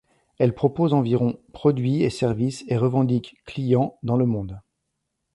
Elle propose environ produits et services, et revendique clients dans le monde.